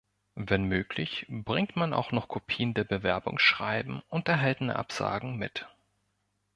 Wenn möglich bringt man auch noch Kopien der Bewerbungsschreiben und erhaltene Absagen mit.